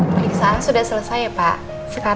pemeriksaan sudah selesai ya pak